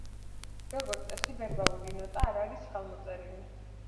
როგორც წესი ვერბალური ნოტა არ არის ხელმოწერილი.